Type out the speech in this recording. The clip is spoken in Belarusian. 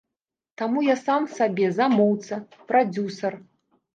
Таму я сам сабе замоўца, прадзюсар.